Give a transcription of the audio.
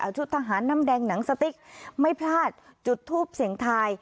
ชุดทหารน้ำแดงหนังสติ๊กไม่พลาดจุดทูปเสียงทาย